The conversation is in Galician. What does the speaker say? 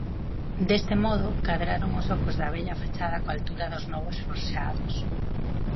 Deste modo, cadraron os ocos da vella fachada coa altura dos novos forxados.